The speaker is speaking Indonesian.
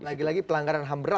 lagi lagi pelanggaran ham berat